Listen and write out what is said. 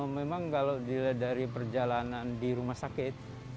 memang kalau dilihat dari perjalanan di rumah sakit